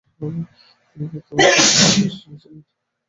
তিনি প্রথমে উইং পজিশনে খেলতেন।